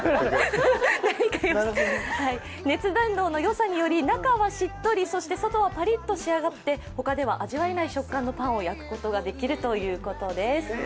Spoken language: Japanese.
熱伝導のよさにより中はしっとり外はパリッと仕上がって、他では味わえない食感のパンを焼くことができるということです。